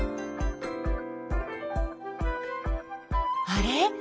あれ？